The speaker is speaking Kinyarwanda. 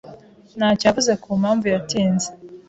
ntacyo yavuze ku mpamvu yatinze.